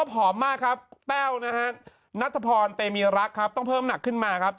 ผอมมากครับแต้วนะฮะนัทพรเตมีรักครับต้องเพิ่มหนักขึ้นมาครับ